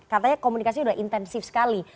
katanya komunikasi sudah intensif sekali